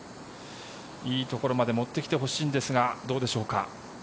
いいところまで持ってきてほしいんですがどうでしょうか。